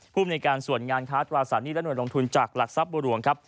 ภูมิในการส่วนงานค้าตราสารหนี้และหน่วยลงทุนจากหลักทรัพย์บัวหลวงครับ